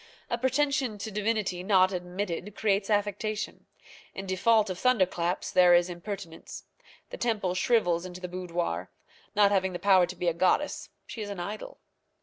A pretension to divinity not admitted creates affectation. In default of thunderclaps there is impertinence. The temple shrivels into the boudoir. Not having the power to be a goddess, she is an idol.